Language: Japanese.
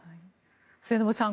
末延さん